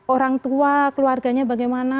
orang tua keluarganya bagaimana